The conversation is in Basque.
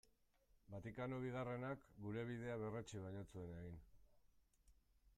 Vatikano Bigarrenak gure bidea berretsi baino ez zuen egin.